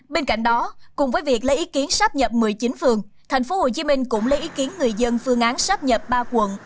bên cạnh đó cùng với việc lấy ý kiến sắp nhập một mươi chín phường tp hcm cũng lấy ý kiến người dân phương án sắp nhập ba quận